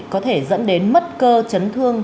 có thể dẫn đến mất cơ chấn thương